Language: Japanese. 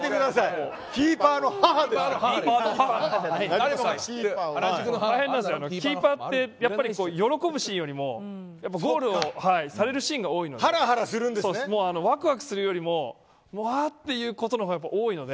大変なんですよ、キーパーって喜ぶシーンよりもゴールをされるシーンが多いのでわくわくするよりもうわあ、ということの方が多いので。